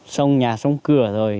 xong nhà xong cửa rồi